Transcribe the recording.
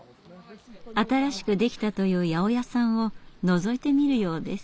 新しくできたという八百屋さんをのぞいてみるようです。